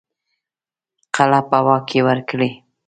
قلعه په واک کې ورکړي.